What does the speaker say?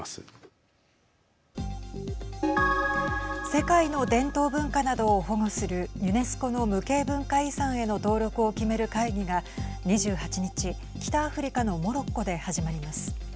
世界の伝統文化などを保護するユネスコの無形文化遺産への登録を決める会議が２８日、北アフリカのモロッコで始まります。